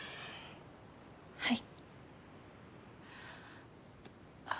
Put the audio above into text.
はい。